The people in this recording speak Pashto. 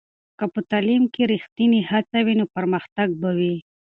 که په تعلیم کې ریښتینې هڅه وي، نو پرمختګ به وي.